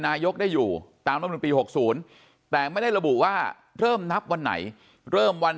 นายกได้อยู่ตามรัฐมนุนปี๖๐แต่ไม่ได้ระบุว่าเริ่มนับวันไหนเริ่มวัน